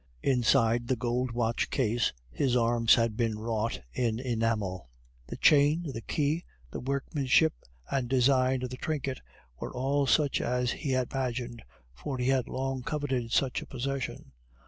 Inside the gold watch case his arms had been wrought in enamel. The chain, the key, the workmanship and design of the trinket were all such as he had imagined, for he had long coveted such a possession.